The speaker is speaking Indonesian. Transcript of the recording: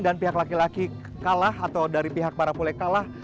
dan pihak laki laki kalah atau dari pihak marapule kalah